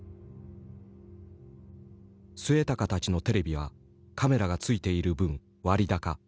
末高たちのテレビはカメラが付いている分割高。